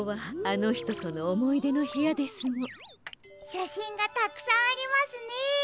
しゃしんがたくさんありますね！